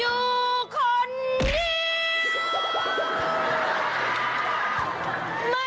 อยู่คนเดียว